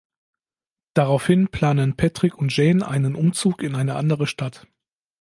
Daraufhin planen Patrick und Jane einen Umzug in eine andere Stadt.